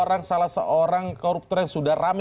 anda tahu tentang terorisme